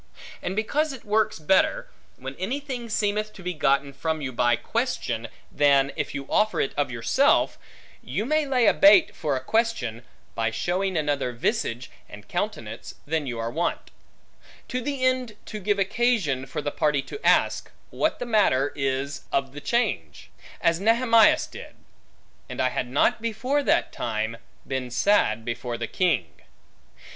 And because it works better, when anything seemeth to be gotten from you by question, than if you offer it of yourself, you may lay a bait for a question, by showing another visage, and countenance, than you are wont; to the end to give occasion, for the party to ask, what the matter is of the change? As Nehemias did; And I had not before that time, been sad before the king.